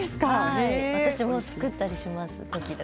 私も作ったりします時々。